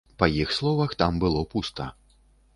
Па іх словах, там было пуста.